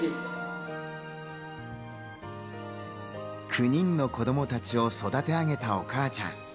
９人の子供たちを育て上げたお母ちゃん。